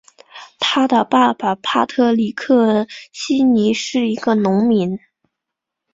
他的爸爸帕特里克希尼是一个农民。